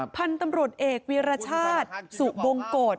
พันธุ์ตำรวจเอกวีรชาติสุบงโกรธ